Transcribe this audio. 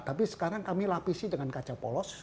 tapi sekarang kami lapisi dengan kaca polos